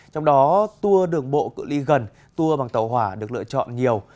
trong đó tour đường bộ cự li gần tour bằng tàu hỏa được lựa chọn nhiều